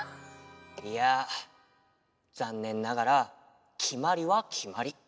いやざんねんながらきまりはきまり。